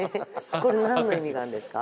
これ何の意味があるんですか？